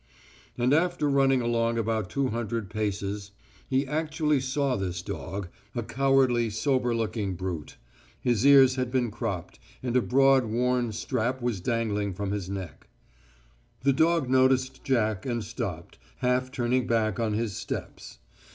And after running along about two hundred paces, he actually saw this dog, a cowardly, sober looking brute. His ears had been cropped, and a broad, worn, strap was dangling from his neck. The dog noticed Jack, and stopped, half turning back on his steps.